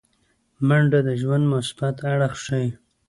منډه د ژوند مثبت اړخ ښيي